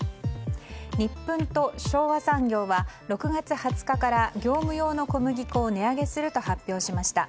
ニップンと昭和産業は６月２０日から業務用の小麦粉を値上げすると発表しました。